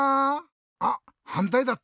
あっはんたいだった。